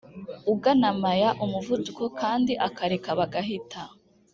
uganamaya umuvuduko kandi akareka bagahita